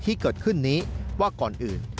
ที่เกิดขึ้นนี้ว่าก่อนอื่น